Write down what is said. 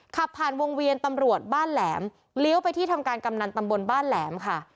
ขับผ่านวงเวียนตำรวจบ้านแหลมเลี้ยวไปที่ทำการกำนันตำบลบ้านแหลมค่ะ